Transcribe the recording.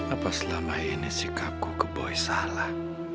apa selama ini sikapku ke boy salah